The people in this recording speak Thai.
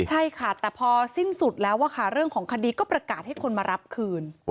ใช่ค่ะแต่พอสิ้นสุดแล้วค่ะเรื่องของคดีก็ประกาศให้คนมารับคืน